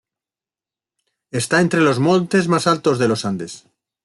Está entre los montes más altos de los Andes.